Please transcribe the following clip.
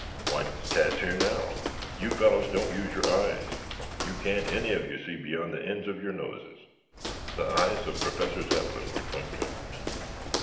"Why, Tad's here now. You fellows don't use your eyes. You can't any of you see beyond the ends of your noses." The eyes of Professor Zepplin were twinkling.